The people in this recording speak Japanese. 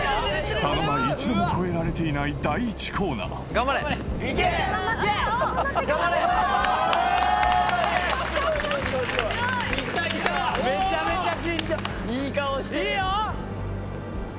佐野が一度も越えられていない第１コーナーいいよ！